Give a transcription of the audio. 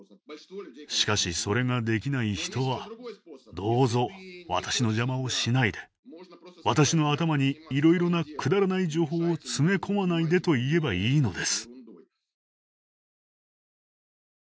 しかしそれができない人は「どうぞ私の邪魔をしないで私の頭にいろいろなくだらない情報を詰め込まないで」と言えばいいのです。